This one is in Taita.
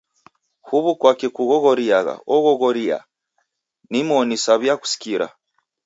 Huw'u kwaki kughoghoriaa oghoghoria? Nimoni saw'iakusikira.